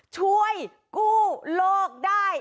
ช่วยกู้โลกได้